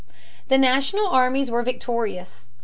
The national armies were victorious.